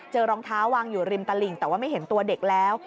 รองเท้าวางอยู่ริมตลิ่งแต่ว่าไม่เห็นตัวเด็กแล้ว